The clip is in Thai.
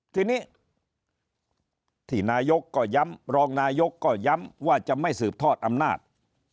ทีนี้ที่นายกก็ย้ำรองนายกก็ย้ำว่าจะไม่สืบทอดอำนาจ